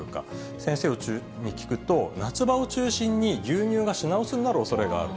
先生に聞くと、夏場を中心に、牛乳が品薄になるおそれがある。